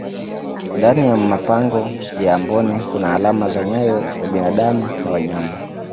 ndani ya mapango ya amboni Kuna alama za nyayo za binadamu na wanyama